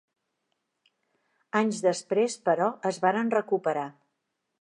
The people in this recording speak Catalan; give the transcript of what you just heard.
Anys després, però, es varen recuperar.